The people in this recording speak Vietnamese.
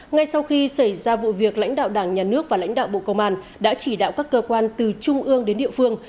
ngay sau khi xảy ra vụ việc lãnh đạo đảng nhà nước và lãnh đạo bộ công an đã chỉ đạo các cơ quan từ trung ương đến địa phương